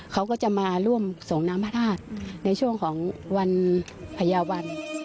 เขาก็จะมาร่วมส่งน้ำพระธาตุในช่วงของวันพญาวัน